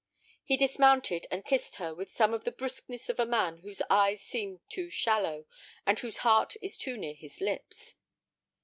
He dismounted, and kissed her with some of the brusqueness of a man whose eyes seem too shallow, and whose heart is too near his lips.